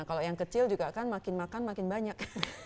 kalau yang kecil juga kan makin makan makin banyak